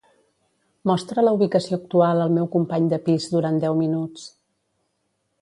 Mostra la ubicació actual al meu company de pis durant deu minuts.